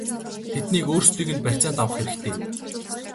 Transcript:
Тэднийг өөрсдийг нь барьцаанд авах хэрэгтэй!!!